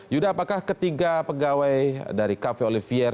yuda apakah ketiga pegawai dari cafe olivier